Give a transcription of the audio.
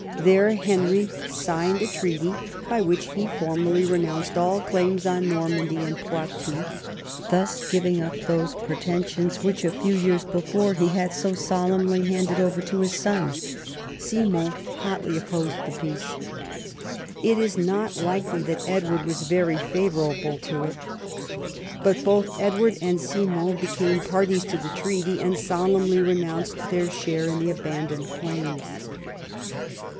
There Henry signed a treaty by which he formally renounced all claims on Normandy and Foitou, thus giving up those pretensions which a few years before he had so solemnly handed over to his son. Simon hotly opposed the peace. It is not likely that Edward was very favourable to it. J3ut both Edward and Simon became parties to the treaty, and solemnly renounced their share in the abandoned claims.